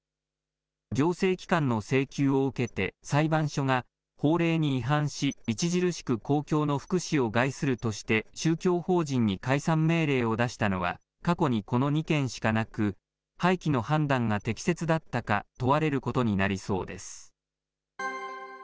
行政機関の請求を受けて裁判所が法令に違反し、著しく公共の福祉を害するとして宗教法人に解散命令を出したのは、過去にこの２件しかなく、廃棄の判断が適切だったか問われることになりそうです。